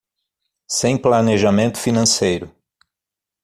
Sem planejamento financeiro